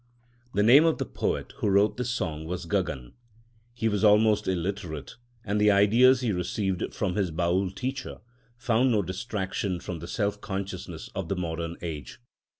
The name of the poet who wrote this song was Gagan. He was almost illiterate; and the ideas he received from his Baül teacher found no distraction from the self consciousness of the modern age.